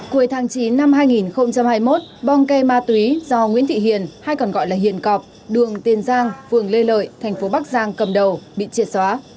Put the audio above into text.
cuối tháng chín năm hai nghìn hai mươi một bong ke ma túy do nguyễn thị hiền hay còn gọi là hiền cọp đường tiền giang phường lê lợi thành phố bắc giang cầm đầu bị triệt xóa